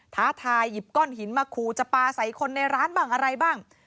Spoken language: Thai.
ท้าทายหยิบก้อนหินมาขู่จะปลาใส่คนในร้านบ้างอะไรบ้าง